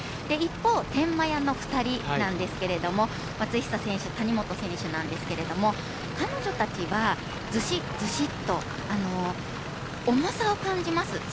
一方天満屋の２人なんですけれども松下選手谷本選手なんですけれども彼女たちはずし、ずしと重さを感じます。